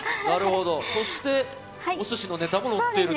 そして、お寿司のネタものっていると。